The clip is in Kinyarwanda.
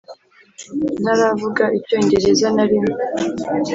Ntaravuga Icyongereza na rimwe